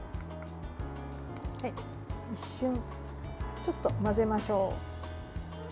一瞬、ちょっと混ぜましょう。